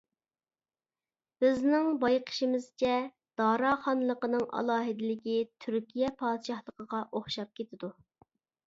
بىزنىڭ بايقىشىمىزچە، دارا خانلىقىنىڭ ئالاھىدىلىكى تۈركىيە پادىشاھلىقىغا ئوخشاپ كېتىدۇ.